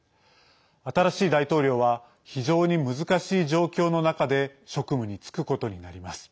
新しい大統領は非常に難しい状況の中で職務に就くことになります。